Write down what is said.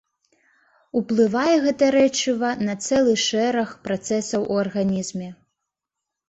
Уплывае гэта рэчыва на цэлы шэраг працэсаў у арганізме.